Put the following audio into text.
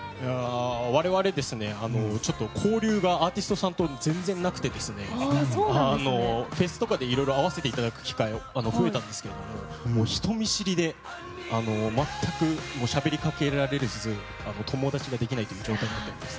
我々、交流がアーティストさんと全然なくてフェスとかでいろいろ会わせていただく機会は増えたんですけど人見知りで全くしゃべりかけられず友達ができないという状態です。